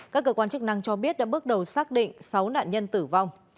các cơ quan chức năng cho biết đã bước đầu xác định sáu nạn nhân tử vong